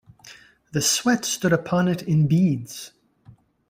The sweat stood upon it in beads.